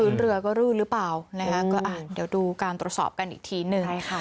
เรือก็รื่นหรือเปล่านะคะก็อ่ะเดี๋ยวดูการตรวจสอบกันอีกทีหนึ่งใช่ค่ะ